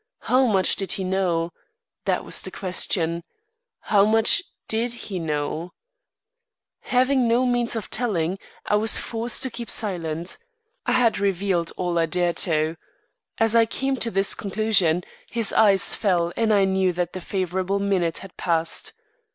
How much did he know? That was the question. How much did he know? Having no means of telling, I was forced to keep silent. I had revealed all I dared to. As I came to this conclusion, his eyes fell and I knew that the favorable minute had passed.